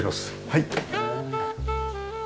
はい。